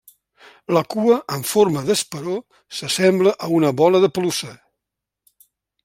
La cua amb forma d'esperó s'assembla a una bola de pelussa.